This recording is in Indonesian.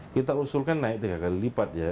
kita usulkan naik tiga kali lipat ya